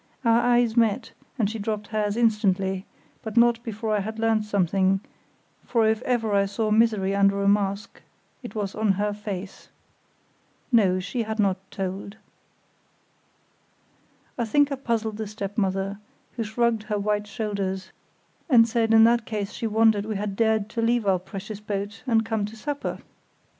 Our eyes met, and she dropped hers instantly, but not before I had learnt something; for if ever I saw misery under a mask it was on her face. No; she had not told. I think I puzzled the stepmother, who shrugged her white shoulders, and said in that case she wondered we had dared to leave our precious boat and come to supper.